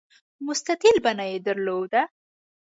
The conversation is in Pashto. مستطیل بڼه یې درلوده.